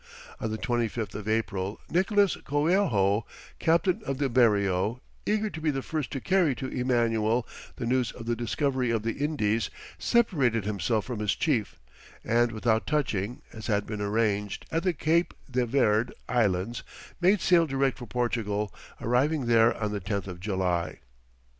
On the 25th of April Nicholas Coelho, captain of the Berrio, eager to be the first to carry to Emmanuel the news of the discovery of the Indies, separated himself from his chief, and without touching, as had been arranged, at the Cape de Verd Islands, made sail direct for Portugal, arriving there on the 10th of July.